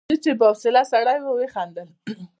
اصولي چې با حوصله سړی دی وخندل.